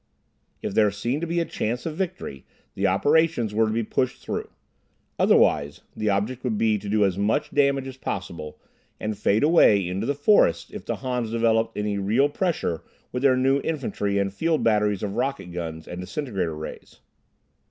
If there seemed to be a chance of victory, the operations were to be pushed through. Otherwise the object would be to do as much damage as possible, and fade away into the forests if the Hans developed any real pressure with their new infantry and field batteries of rocket guns and disintegrator rays.